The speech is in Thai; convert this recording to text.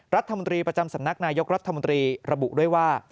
รัฐมนตรีประจำสำนักนายกรัฐมนตรีระบุด้วยว่า